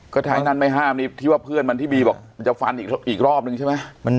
ก็ถ้าไอ้นั่นไม่ห้ามนี่ที่ว่าเพื่อนมันที่บีบอกมันจะฟันอีกรอบนึงใช่ไหม